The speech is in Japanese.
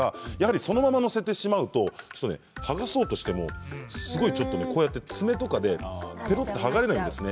そのまま載せてしまうと剥がそうとしても爪とかでぺろっと剥がれないですね。